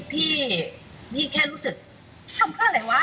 พี่แค่รู้สึกทำการอะไรวะ